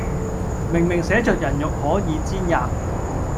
明明寫着人肉可以煎喫；